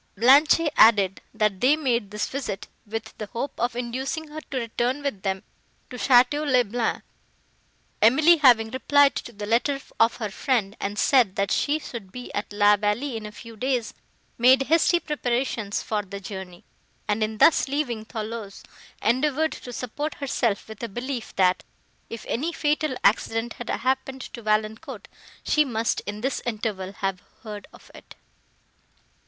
Blanche added, that they made this visit, with the hope of inducing her to return with them to Château le Blanc. Emily, having replied to the letter of her friend, and said that she should be at La Vallée in a few days, made hasty preparations for the journey; and, in thus leaving Thoulouse, endeavoured to support herself with a belief, that, if any fatal accident had happened to Valancourt, she must in this interval have heard of it.